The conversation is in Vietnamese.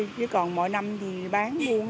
chứ còn mỗi năm thì bán buôn